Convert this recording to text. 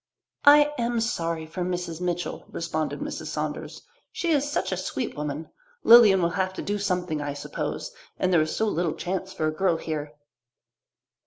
"I am sorry for Mrs. Mitchell," responded Mrs. Saunders. "She is such a sweet woman. Lilian will have to do something, I suppose, and there is so little chance for a girl here."